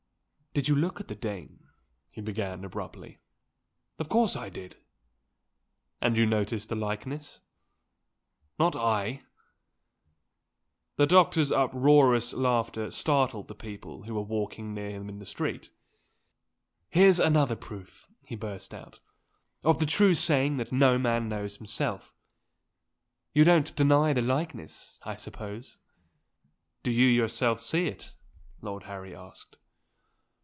"Did you look at the Dane?" he began abruptly. "Of course I did!" "And you noticed the likeness?" "Not I!" The doctor's uproarious laughter startled the people who were walking near them in the street. "Here's another proof," he burst out, "of the true saying that no man knows himself. You don't deny the likeness, I suppose?" "Do you yourself see it?" Lord Harry asked.